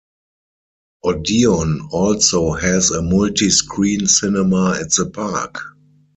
Odeon also has a multi-screen cinema at the park.